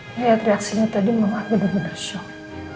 aku lihat reaksinya tadi mama benar benar shock